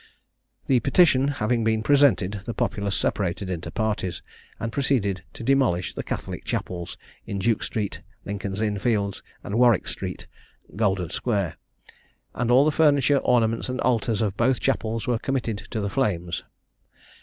The petition having been presented, the populace separated into parties, and proceeded to demolish the Catholic chapels, in Duke street, Lincoln's Inn Fields, and Warwick street, Golden square; and all the furniture, ornaments, and altars of both chapels were committed to the flames.